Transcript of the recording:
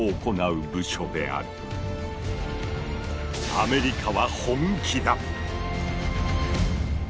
アメリカは本気だ！